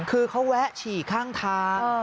คือเขาแวะฉี่ข้างทาง